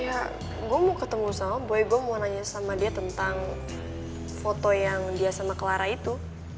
ya gue mau ketemu sama boy gue mau nanya sama dia tentang foto yang dia sama clara itu